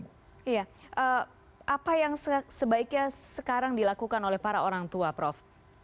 iya apa yang sebaiknya sekarang dilakukan oleh para orang tua prof